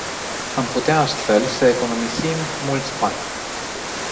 Am putea astfel să economisim mulți bani.